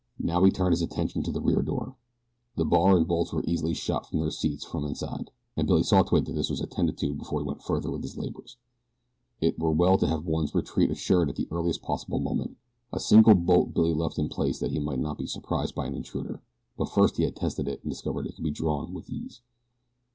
Now he turned his attention to the rear door. The bar and bolts were easily shot from their seats from the inside, and Billy saw to it that this was attended to before he went further with his labors. It were well to have one's retreat assured at the earliest possible moment. A single bolt Billy left in place that he might not be surprised by an intruder; but first he had tested it and discovered that it could be drawn with ease.